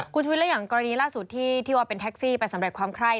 ครูชวิทธิ์และอย่างกรณีนี้ล่าสุดที่ที่เราเอาเป็นแท็กซี่ไปสำเร็จความไคร้